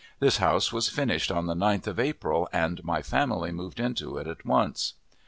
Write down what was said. This house was finished on the 9th of April, and my family moved into it at once.